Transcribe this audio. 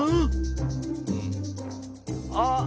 あっ。